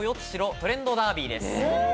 トレンドダービー」です。